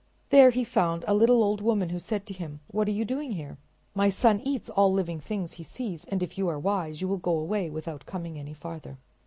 There he found a little old woman who said to him: "What are you doing here? My son eats all living things he sees, and if you are wise you will go away without coming any farther."